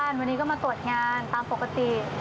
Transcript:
เคยนั่งส่วนใหญ่ว่านั่งบ่อย